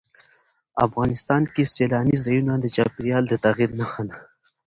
افغانستان کې سیلاني ځایونه د چاپېریال د تغیر نښه ده.